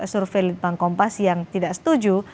survei litbang kompas yang tidak setuju